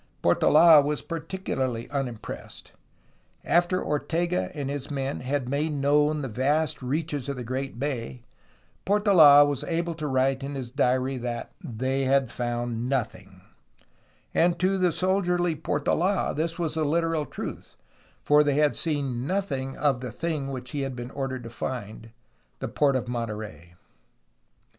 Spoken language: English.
Portold was particularly unimpressed. After Ortega and his men had made known the vast reaches of the great bay, Portold was able to write in his diary that "they had found 230 A HISTORY OF CALIFORNIA nothing." And to the soldierly Portola this was the literal truth, for they had seen "nothing" of the thing which he had been ordered to find, the port of Monterey.